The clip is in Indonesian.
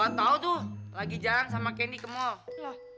gua tau tuh lagi jalan sama candy ke mall